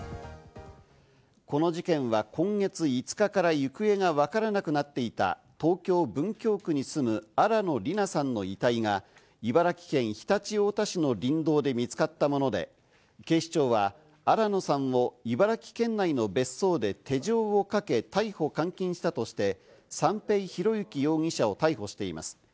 この事件は今月５日から行方がわからなくなっていた東京・文京区に住む新野りなさんの遺体が茨城県常陸太田市の林道で見つかったもので、警視庁は新野さんを茨城県内の別荘で手錠をかけ逮捕監禁したとして、三瓶博幸容疑者を逮捕しています。